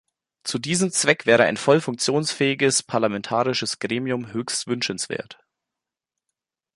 Zu diesem Zweck wäre ein voll funktionsfähiges parlamentarisches Gremium höchst wünschenswert.